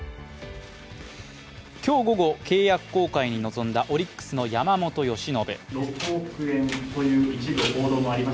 今日午後、契約更改に臨んだオリックス、山本由伸。